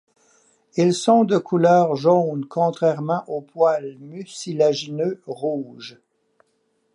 Ils sont de couleur jaune, contrairement aux poils mucilagineux rouges.